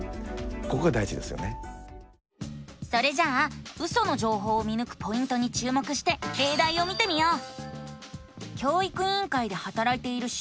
それじゃあウソの情報を見ぬくポイントに注目してれいだいを見てみよう！